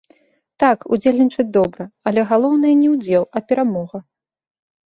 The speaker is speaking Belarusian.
Так, удзельнічаць добра, але галоўнае не ўдзел, а перамога.